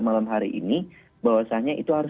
malam hari ini bahwasannya itu harus